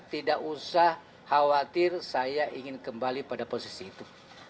tidak usah khawatir saya ingin kembali pada posisi itu